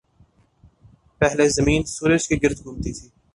پہلے زمین سورج کے گرد گھومتی تھی۔